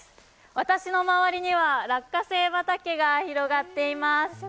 私の周りには落花生畑が広がっています。